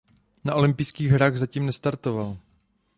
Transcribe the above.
Na olympijských hrách zatím nestartoval.